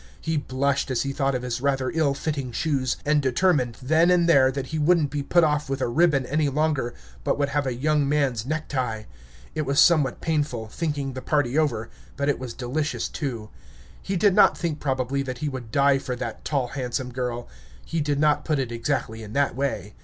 He blushed as he thought of his rather ill fitting shoes; and determined, then and there, that he wouldn't be put off with a ribbon any longer, but would have a young man's necktie. It was somewhat painful, thinking the party over, but it was delicious, too. He did not think, probably, that he would die for that tall, handsome girl; he did not put it exactly in that way.